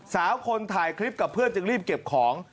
สาวคนถ่ายคลิปกับเพื่อนจึงรีบเก็บของ